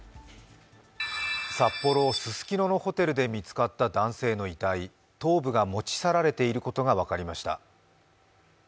札幌・ススキノのホテルで見つかった男性の遺体、頭部が持ち去られていることが分かりました。